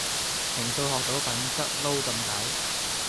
平素學到品質撈咁攪